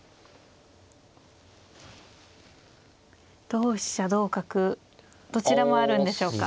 同飛車同角どちらもあるんでしょうか。